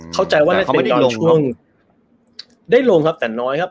เข้าใจว่าน่าจะไม่ได้ลงช่วงได้ลงครับแต่น้อยครับ